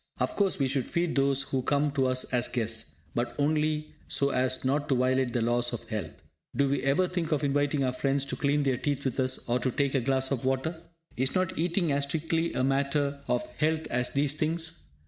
Of course, we should feed those who come to us as guests, but only so as not to violate the laws of health. Do we ever think of inviting our friends to clean their teeth with us, or to take a glass of water? Is not eating as strictly a matter of health as these things?